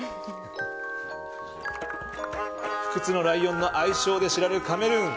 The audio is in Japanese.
不屈のライオンの愛称で知られるカメルーン。